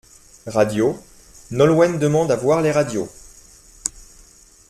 Radio : Nolwenn demande à voir les radios.